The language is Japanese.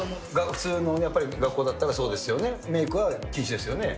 普通のやっぱり、学校だったらそうですよね、メイクは禁止ですよね。